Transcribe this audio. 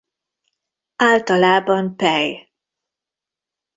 Általában pej.